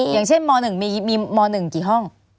อย่างเช่นมหนึ่งมีมหนึ่งกี่ห้อง